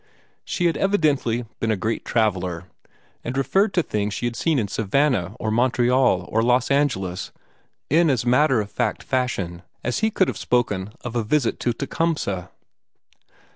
She had evidently been a great traveller, and referred to things she had seen in Savannah or Montreal or Los Angeles in as matter of fact fashion as he could have spoken of a visit to Tecumseh.